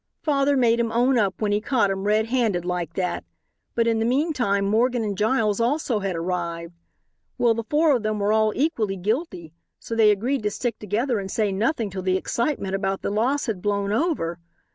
Father made him own up when he caught him red handed like that, but in the meantime Morgan and Giles also had arrived. Well, the four of them were all equally guilty, so they agreed to stick together and say nothing till the excitement about the loss had blown over.